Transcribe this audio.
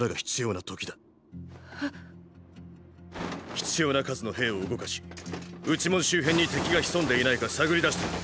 ⁉必要な数の兵を動かし内門周辺に敵が潜んでいないか探り出してくれ。